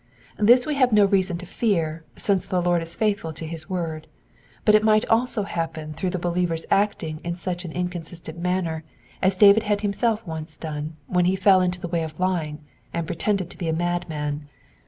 This we have no reason to fear, since the Lord is faithful to his word. But it might also happen through the believer's acting in an inconsistent manner, as David had himself once done, when he fell into the way of lying, and pre tended to be a madman.